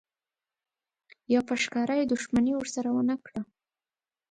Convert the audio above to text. یا په ښکاره یې دښمني ورسره ونه کړه.